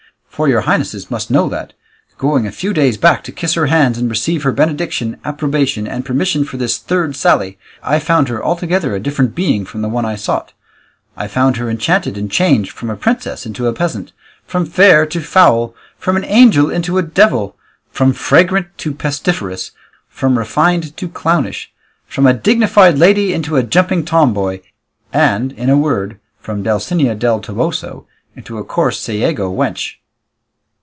For your highnesses must know that, going a few days back to kiss her hands and receive her benediction, approbation, and permission for this third sally, I found her altogether a different being from the one I sought; I found her enchanted and changed from a princess into a peasant, from fair to foul, from an angel into a devil, from fragrant to pestiferous, from refined to clownish, from a dignified lady into a jumping tomboy, and, in a word, from Dulcinea del Toboso into a coarse Sayago wench."